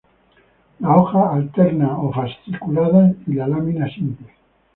Las hojas alternas o fasciculadas, y la lámina simple.